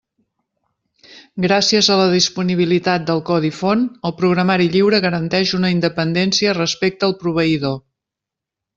Gràcies a la disponibilitat del codi font, el programari lliure garanteix una independència respecte al proveïdor.